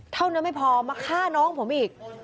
เท่านั้นไม่พอมาฆ่าน้องผมอีก